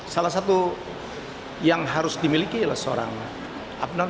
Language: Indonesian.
salah satu yang harus dimiliki adalah seorang up down